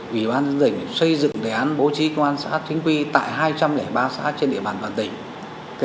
ủy ban dân tỉnh xây dựng đề án bố trí công an xã chính quy tại hai trăm linh ba xã trên địa bàn toàn tỉnh